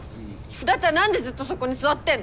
だったら何でずっとそこに座ってんの。